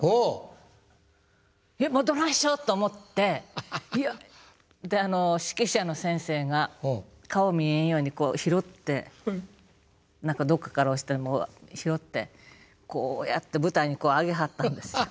どないしようと思ってで指揮者の先生が顔見えんようにこう拾って何かどっかから拾ってこうやって舞台に上げはったんですよ。